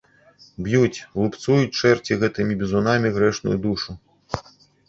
Б'юць, лупцуюць чэрці гэтымі бізунамі грэшную душу.